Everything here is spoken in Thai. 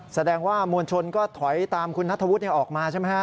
แสดงว่ามวลชนก็ถอยตามคุณนัทธวุฒิออกมาใช่ไหมฮะ